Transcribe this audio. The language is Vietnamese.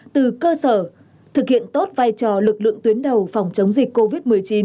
từ cơ sở thực hiện tốt vai trò lực lượng tuyến đầu phòng chống dịch covid một mươi chín